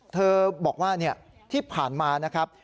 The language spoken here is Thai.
เธอบอกว่าที่ผ่านมานะครับ